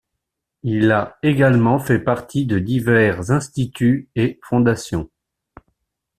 Il a également fait partie de divers instituts et fondations.